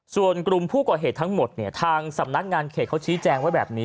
ส่วนกลุ่มผู้ก่อเหตุทั้งหมดเนี่ยทางสำนักงานเขตเขาชี้แจงไว้แบบนี้